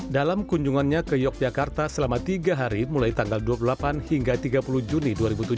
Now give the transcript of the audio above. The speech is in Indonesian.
dalam kunjungannya ke yogyakarta selama tiga hari mulai tanggal dua puluh delapan hingga tiga puluh juni dua ribu tujuh belas